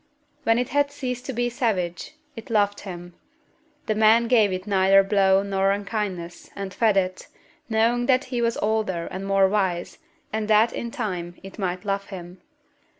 When it had ceased to be savage, it loved him. The man gave it neither blow nor unkindness, and fed it, knowing that he was older and more wise and that in time it might love him.